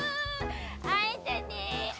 会えたね！